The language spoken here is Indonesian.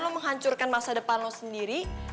lo menghancurkan masa depan lo sendiri